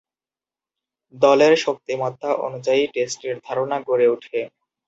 দলের শক্তিমত্তা অনুযায়ী টেস্টের ধারণা গড়ে উঠে।